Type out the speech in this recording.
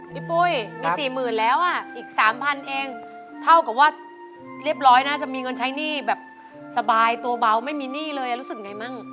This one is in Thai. ปุ้ยมี๔๐๐๐แล้วอ่ะอีก๓๐๐เองเท่ากับว่าเรียบร้อยน่าจะมีเงินใช้หนี้แบบสบายตัวเบาไม่มีหนี้เลยรู้สึกไงมั่ง